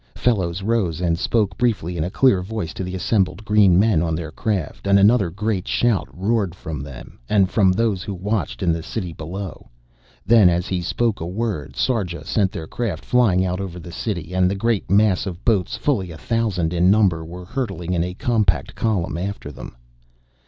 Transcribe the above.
Fellows rose and spoke briefly in a clear voice to the assembled green men on their craft, and another great shout roared from them, and from these who watched in the city below. Then as he spoke a word, Sarja sent their craft flying out over the city, and the great mass of boats, fully a thousand in number, were hurtling in a compact column after them.